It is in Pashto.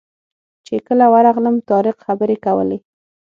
چې کله ورغلم طارق خبرې کولې.